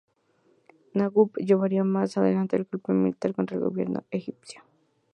Naguib llevaría más adelante el golpe militar contra el gobierno egipcio.